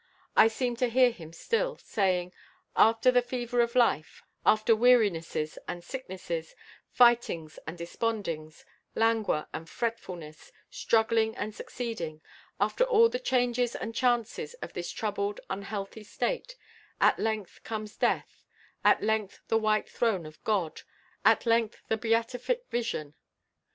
I seem to hear him still, saying: 'After the fever of life, after wearinesses and sicknesses, fightings and despondings, languor and fretfulness, struggling and succeeding; after all the changes and chances of this troubled, unhealthy state, at length comes death, at length the white throne of God, at length the beatific vision.'"